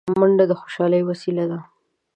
منډه د خوشحالۍ وسیله ده